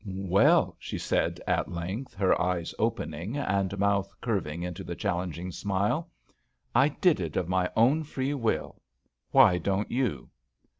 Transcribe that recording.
"Well!" she said, at length, her eyes open ing and mouth curving into the challenging smile. "I did it of my own free will. Why don't you